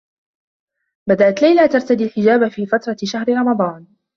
بدأت ليلى ترتدي الحجاب في فترة شهر رمضان.